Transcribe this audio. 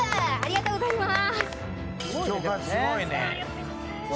ありがとうございます。